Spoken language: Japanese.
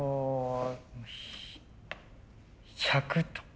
１００とか。